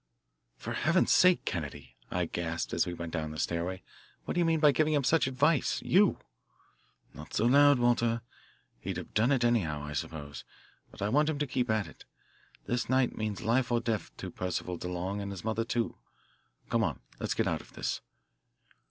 "For Heaven's sake, Kennedy," I gasped as we went down the stairway, "what do you mean by giving him such advice you?" "Not so loud, Walter. He'd have done it anyhow, I suppose, but I want him to keep at it. This night means life or death to Percival DeLong and his mother, too. Come on, let's get out of this."